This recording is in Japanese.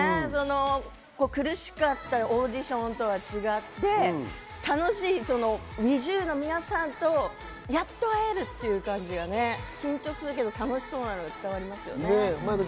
苦しかったオーディションとは違って楽しいＮｉｚｉＵの皆さんとやっと会えるという感じで緊張するけども楽しいのが伝わりましたよね。